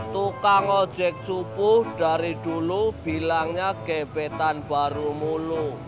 tukang ojek cupuh dari dulu bilangnya gebetan baru mulu